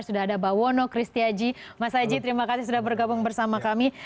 sudah ada bawono kristi haji mas haji terima kasih sudah bergabung bersama kami